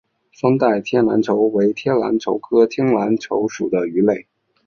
双带天竺鲷为天竺鲷科天竺鲷属的鱼类。